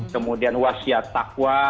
kemudian wasiat taqwa